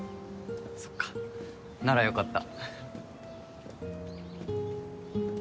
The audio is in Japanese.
そっかならよかった。